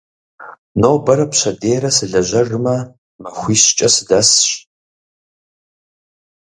Нобэрэ пщэдейрэ сылэжьэжмэ, махуищкӏэ сыдэсщ.